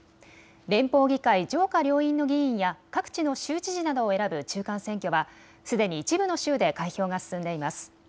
連邦議会、上下両院の議員や各地の州知事などを選ぶ中間選挙は、すでに一部の州で開票が進んでいます。